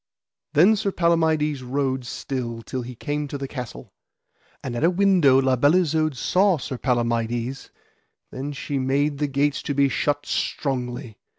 Then Sir Palamides rode still till he came to the castle. And at a window La Beale Isoud saw Sir Palamides; then she made the gates to be shut strongly.